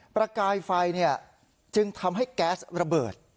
ประกายไฟจึงทำให้แก๊สระเบิด